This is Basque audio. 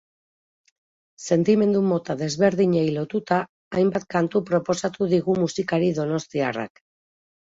Sentimendu mota desberdinei lotuta, hainbat kantu proposatu digu musikari donostiarrak.